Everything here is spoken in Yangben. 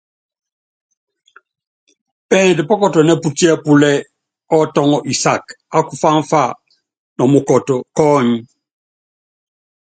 Pɛɛndɔ pɔ́kɔtɔnɛ́ putiɛ́púlɛ́ ɔ́tɔ́ŋɔ isak á kufáŋfa nɔ mukɔt kɔ́ ɔɔ́ny.